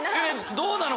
どうなの？